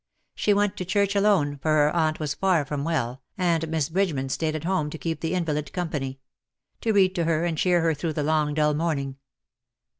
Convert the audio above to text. She went to church alone, for her aunt was far from well, and Miss Bridgeman stayed at home to keep the invalid com jDany — to read to her and cheer her through the long dull morning.